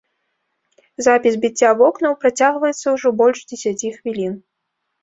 Запіс біцця вокнаў працягваецца ўжо больш дзесяці хвілін.